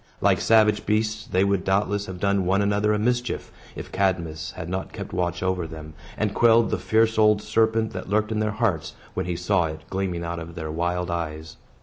Like savage beasts, they would doubtless have done one another a mischief, if Cadmus had not kept watch over them, and quelled the fierce old serpent that lurked in their hearts, when he saw it gleaming out of their wild eyes.